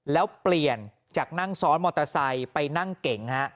แล้วเปลี่ยนจากนั่งซ้อนมอเตอร์ไซค์ไปนั่งเก๋งฮะ